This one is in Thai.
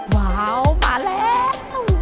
ว้าวมาแล้ว